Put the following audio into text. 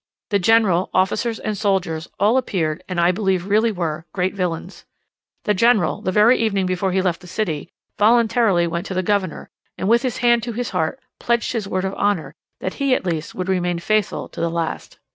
The general, officers, and soldiers, all appeared, and I believe really were, great villains. The general, the very evening before he left the city, voluntarily went to the Governor, and with his hand to his heart, pledged his word of honour that he at least would remain faithful to the last.